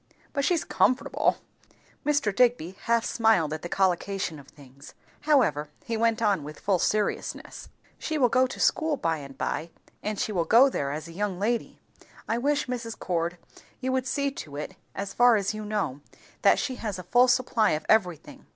But she's comfortable." Mr. Digby half smiled at the collocation of things, however he went on with full seriousness. "She will go to school by and by, and she will go there as a young lady. I wish, Mrs. Cord, you would see to it, as far as you know, that she has a full supply of everything.